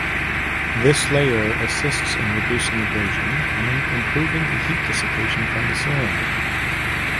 This layer assists in reducing abrasion and improving the heat dissipation from the cylinder.